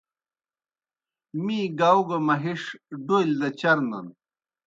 می گاؤ گہ مہِݜ ڈولیْ دہ چرنَن۔